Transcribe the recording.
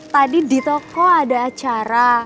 tadi di toko ada acara